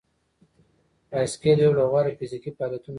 بایسکل یو له غوره فزیکي فعالیتونو څخه دی.